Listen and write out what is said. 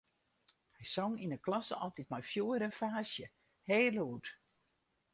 Hy song yn 'e klasse altyd mei fjoer en faasje, heel lûd.